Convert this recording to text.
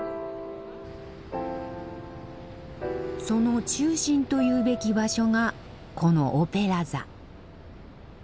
その中心というべき場所がこのオペラ座。